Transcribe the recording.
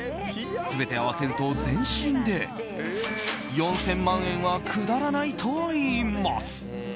全て合わせると全身で４０００万円はくだらないといいます。